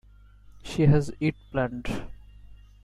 She has it planned.